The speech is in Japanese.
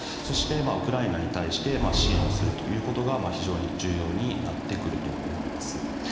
そして、ウクライナに対して支援をするということが非常に重要になってくると思います。